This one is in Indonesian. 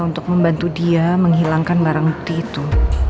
untuk membantu dia menghilangkan barang bukti itu